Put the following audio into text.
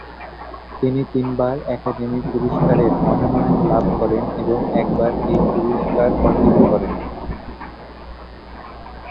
তিনি তিনবার একাডেমি পুরস্কারের মনোনয়ন লাভ করেন এবং একবার এই পুরস্কার অর্জন করেন।